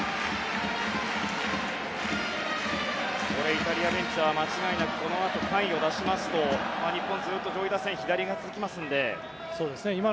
イタリアベンチは間違いなく、このあと甲斐を出しますと日本、ずっと上位打線左が続きますので。